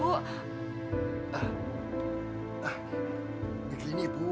ya allah pak